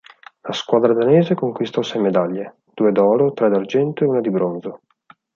La squadra danese conquistò sei medaglie: due d'oro, tre d'argento e una di bronzo.